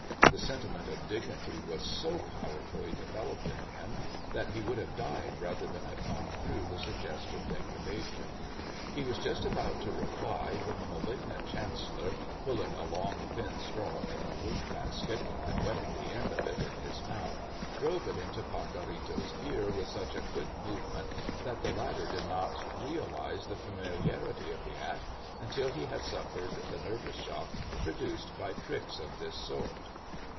The sentiment of dignity was so powerfully developed in him that he would have died rather than have gone through the suggested degradation. He was just about to reply when the malignant chancellor, pulling a long thin straw from a work basket and wetting the end of it in his mouth, drove it into Pacorrito's ear with such a quick movement that the latter did not realize the familiarity of the act until he had suffered the nervous shock produced by tricks of this sort.